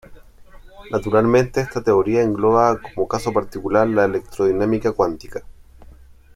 Naturalmente esta teoría engloba como caso particular la electrodinámica cuántica.